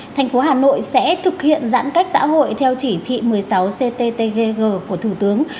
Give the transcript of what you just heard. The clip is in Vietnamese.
thành phố hà nội sẽ thực hiện giãn cách xã hội theo chỉ thị một mươi sáu cttg của thủ tướng